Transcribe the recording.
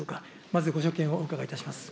まずご所見をお伺いいたします。